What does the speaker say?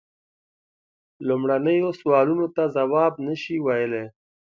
لومړنیو سوالونو ته جواب نه سي ویلای.